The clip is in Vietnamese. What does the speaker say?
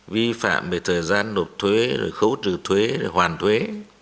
vi phạm về thời gian nộp thuế khấu trừ thuế hoàn thuế